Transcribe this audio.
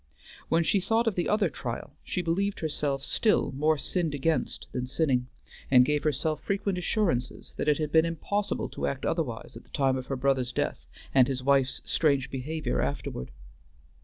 When she thought of the other trial, she believed herself, still, more sinned against than sinning, and gave herself frequent assurances that it had been impossible to act otherwise at the time of her brother's death and his wife's strange behavior afterward.